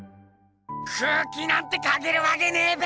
空気なんて描けるわけねぇべ！